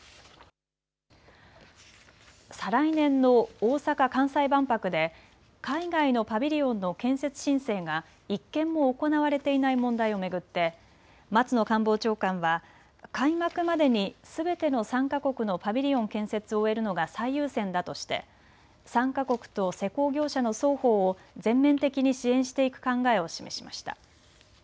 再来年の大阪・関西万博で海外のパビリオンの建設申請が１件も行われていない問題を巡って松野官房長官は開幕までにすべての参加国のパビリオン建設を終えるのが最優先だとして参加国と施工業者の双方を全面的に支援していく考えを示しました。